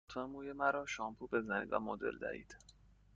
لطفاً موی مرا شامپو بزنید و مدل دهید.